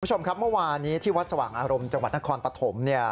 คุณผู้ชมครับเมื่อวานนี้ที่วัดสว่างอารมณ์จังหวัดนครปฐมเนี่ย